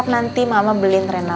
nanti mama beliin rena